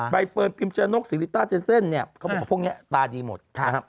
ใบเฟิร์นปริมชานกสิริต้าเจนเซ่นเขาบอกว่าพวกนี้ตาดีหมด